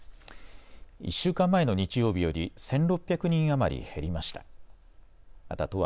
１週間前の日曜日より１６００人余り減りました。